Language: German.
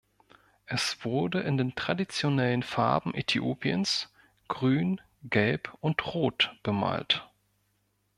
Es wurde in den traditionellen Farben Äthiopiens grün, gelb und rot bemalt.